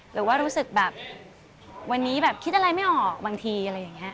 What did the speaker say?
หรือว่ารู้สึกแบบวันนี้แบบคิดอะไรไม่ออกบางทีอะไรอย่างนี้